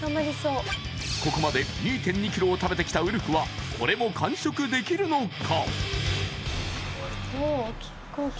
ここまで２．２ｋｇを食べてきたウルフはこれも完食できるのか？